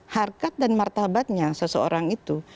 harkat dan martabatnya seseorang itu